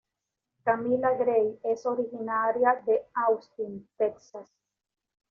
Camila Grey es originaria de Austin, Texas.